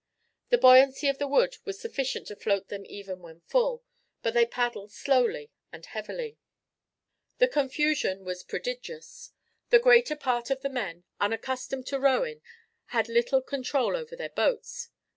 The buoyancy of the wood was sufficient to float them even when full, but they paddled slowly and heavily. The confusion was prodigious. The greater part of the men, unaccustomed to rowing, had little control over their boats.